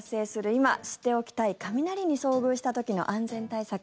今知っておきたい雷に遭遇した時の安全対策。